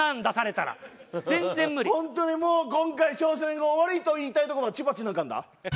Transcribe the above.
本当にもう今回挑戦終わりと言いたいところだがちばっちなんかあるんだ？